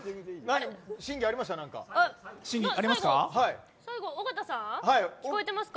審議ありますか。